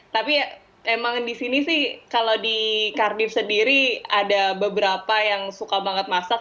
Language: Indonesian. tapi emang di sini sih kalau di kardif sendiri ada beberapa yang suka banget masak